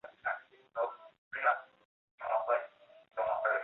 其票房创下了环球影业在墨西哥和俄罗斯首映的纪录。